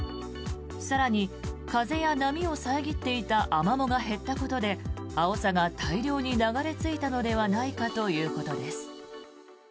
更に、風や波を遮っていたアマモが減ったことでアオサが大量に流れ着いたのではないかということです。